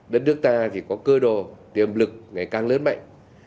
đất nước ta thì có cơ đồ tiềm lực ngày càng lớn mạnh